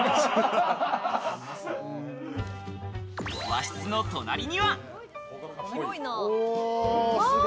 和室の隣には。